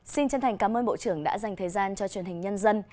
xin chân thành cảm ơn bộ trưởng đã dành thời gian cho truyền hình nhân dân